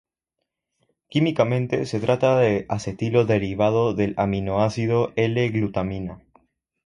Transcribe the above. Químicamente, se trata de acetilo derivado del aminoácido L-glutamina.